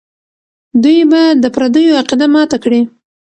دوی به د پردیو عقیده ماته کړي.